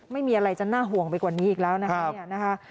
ไม่มีอะไรจะน่าห่วงไปกว่านี้อีกแล้วนะคะ